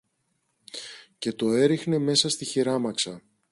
και το έριχνε μέσα στη χειράμαξα.